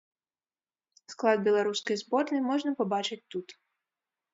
Склад беларускай зборнай можна пабачыць тут.